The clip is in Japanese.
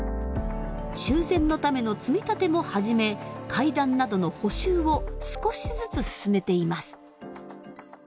修繕のための積み立ても始め階段などの補修を少しずつ進めています。